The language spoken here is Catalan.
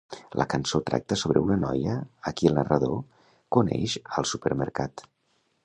La cançó tracta sobre una noia a qui el narrador coneix al supermercat.